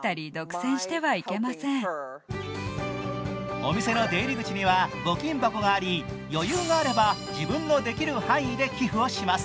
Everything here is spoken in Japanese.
お店の出入り口には募金箱があり、余裕があれば自分のできる範囲で寄付をします。